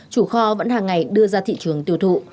chủ kho vẫn hàng ngày đưa ra thị trường tiêu thụ